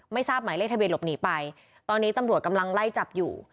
ทราบหมายเลขทะเบียหลบหนีไปตอนนี้ตำรวจกำลังไล่จับอยู่